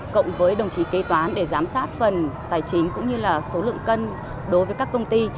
cộng với đồng chí kế toán để giám sát phần tài chính cũng như là số lượng cân đối với các công ty